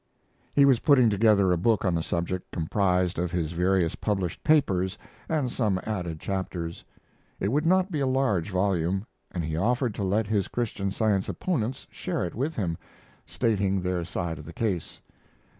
He was putting together a book on the subject, comprised of his various published papers and some added chapters. It would not be a large volume, and he offered to let his Christian Science opponents share it with him, stating their side of the case.